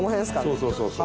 そうそうそう。